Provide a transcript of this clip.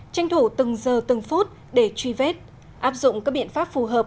tranh thủ từng giờ từng phút để truy vết áp dụng các biện pháp phù hợp